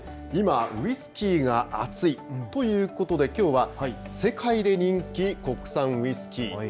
今、ウイスキーが熱いということで、きょうは世界で人気、国産ウイスキー。